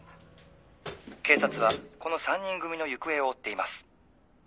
「警察はこの３人組の行方を追っています」